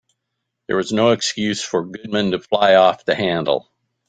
There was no excuse for Goodman to fly off the handle.